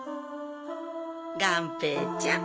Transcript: がんぺーちゃん。